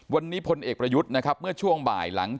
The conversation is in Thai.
วันนี้พลเอกประยุทธ์นะครับเมื่อช่วงบ่ายหลัง